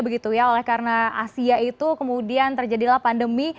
begitu ya oleh karena asia itu kemudian terjadilah pandemi